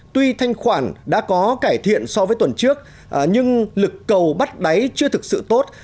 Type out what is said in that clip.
tuy thanh khoản đã có cải thiện so với tuần trước nhưng lực cầu bắt đáy chưa thực sự tốt